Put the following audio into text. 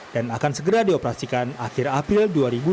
dan akan segera dioperasikan akhir april dua ribu delapan belas